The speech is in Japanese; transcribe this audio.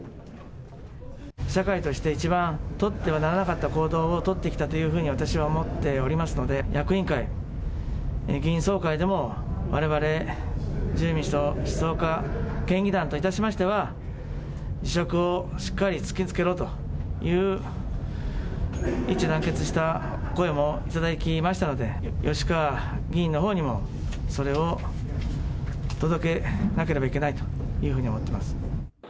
社会人として、一番取ってはならなかった行動を取ってきたというふうに、私は思っておりますので、役員会、議員総会でも、われわれ自由民主党静岡県議団につきましては、辞職をしっかり突きつけろという一致団結した声も頂きましたので、吉川議員のほうにも、それを届けなければいけないというふうに思ってます。